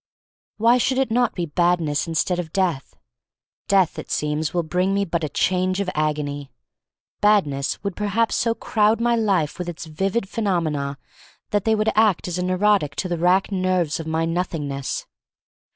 Why should it not be Badness instead of Death? Death, it seems, will bring me but a change of agony. Badness would perhaps so crowd my life with its vivid phenomena that they would act as a neurotic to the racked nerves of my Nothingness.